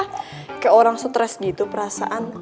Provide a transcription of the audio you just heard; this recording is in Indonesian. kayak orang stres gitu perasaan